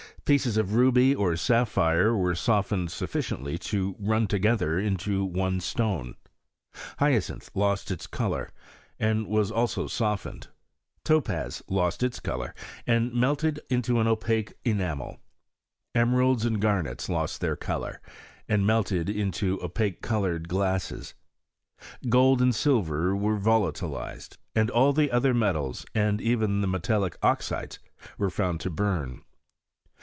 Pieces of ruby or sapphire were softened sufficiently to run together into one stone. Hyacinth lost its colour, and was also softened. Topaz lost its colour, and melted into an opaque enamel. Emeralds and garnets lost their colour, and melted into opaque coloured glasses. Gold and silver were volatilized ; all the other metals, and even the metallic oxides, were found to burn.